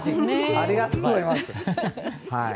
ありがとうございます！